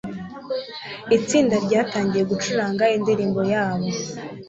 Itsinda ryatangiye gucuranga indirimbo yabo